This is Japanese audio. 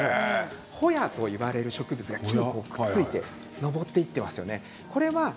ホヤと言われる植物が木についてののぼっていってますよね。